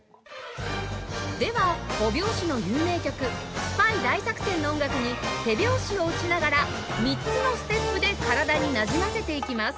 では５拍子の有名曲『スパイ大作戦』の音楽に手拍子を打ちながら３つのステップで体になじませていきます